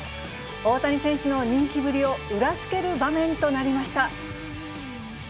大谷選手の人気ぶりを裏付ける場面となりました。